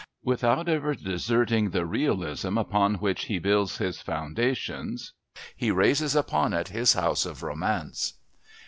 Without ever deserting the realism upon which he builds his foundations he raises upon it his house of romance.